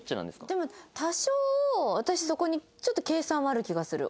でも多少私そこにちょっと計算はある気がする。